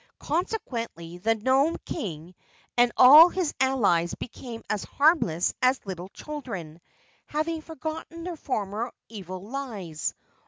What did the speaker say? Consequently the Nome King and all his allies became as harmless as little children, having forgotten their former evil lives.